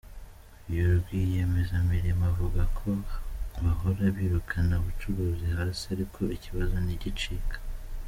Uyu rwiyemezamirimo avuga ko bahora birukana abacururiza hasi ariko ikibazo ntigicika.